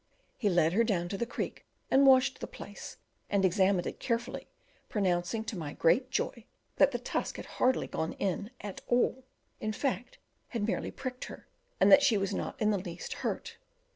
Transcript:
He led her down to the creek, and washed the place, and examined it carefully, pronouncing, to my great joy, that the tusk had hardly gone in at all in fact had merely pricked her and that she was not in the least hurt.